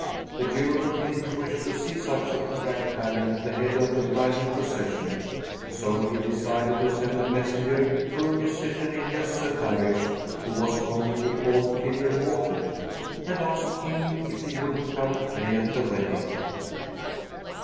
The Juryman didn't wish to see such a ragtag at the head of the bridal procession, so he decided to send a messenger to a musician in Jösse parish, who was commonly called Fiddler Mårten, and ask him if he wouldn't come and play at the wedding.